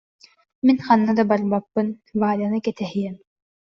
Мин ханна да барбаппын, Варяны кэтэһиэм